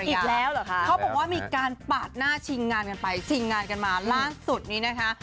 อีกแล้วเหรอคะเขาบอกว่ามีการปาดหน้าชิงงานกันไปชิงงานกันมาล่าสุดนี้นะคะ